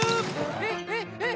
えっ、えっ、えっ？